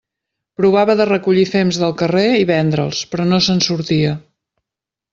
Provava de recollir fems del carrer i vendre'ls, però no se'n sortia.